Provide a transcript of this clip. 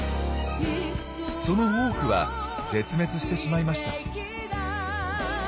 その多くは絶滅してしまいました。